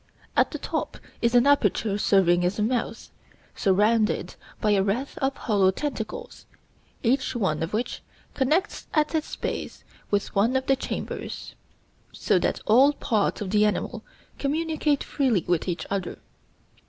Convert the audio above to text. At the top is an aperture serving as a mouth, surrounded by a wreath of hollow tentacles, each one of which connects at its base with one of the chambers, so that all parts of the animal communicate freely with each other.